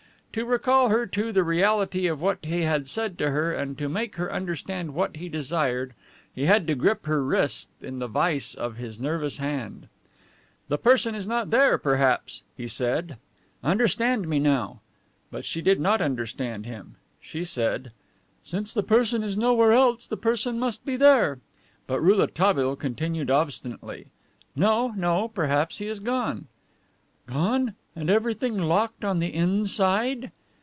To recall her to the reality of what he had said to her and to make her understand what he desired, he had to grip her wrist in the vice of his nervous hand. "The person is not there, perhaps," he said, shaking his head. "Understand me now." But she did not understand him. She said: "Since the person is nowhere else, the person must be there." But Rouletabille continued obstinately: "No, no. Perhaps he is gone." "Gone! And everything locked on the inside!"